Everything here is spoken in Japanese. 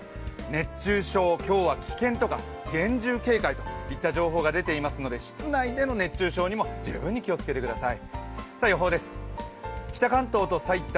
熱中症、今日は危険とか厳重警戒といった情報が出ていますので室内での熱中症にも十分に気をつけてください。